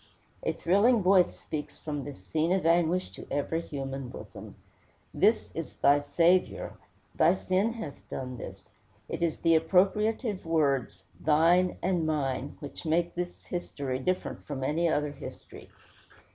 A thrilling voice speaks from this scene of anguish to every human bosom: This is thy Saviour. Thy sin hath done this. It is the appropriative words, thine and mine, which make this history different from any other history.